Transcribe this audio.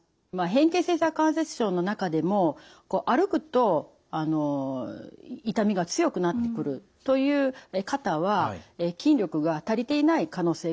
変形性ひざ関節症の中でも歩くと痛みが強くなってくるという方は筋力が足りていない可能性があります。